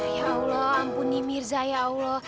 ya allah ampuni mirza ya allah